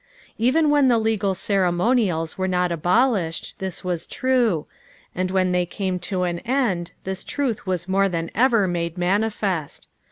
Even when the legal ceremonials were not abolished, this was true, and when they came to an end, this truth was more than ever made manifest.